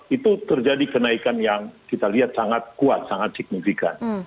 itu terjadi kenaikan yang kita lihat sangat kuat sangat signifikan